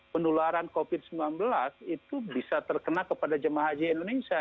penularan covid sembilan belas itu bisa terkena kepada jemaah haji indonesia